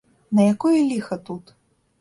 На якое ліха тут?